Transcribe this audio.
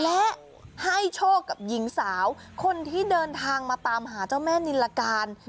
และให้โชคกับหญิงสาวคนที่เดินทางมาตามหาเจ้าแม่นิลการ